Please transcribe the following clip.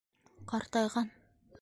Ҡартайған.